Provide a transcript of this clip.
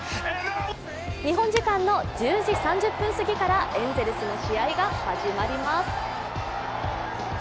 日本時間の１０時３０分すぎからエンゼルスの試合が始まります。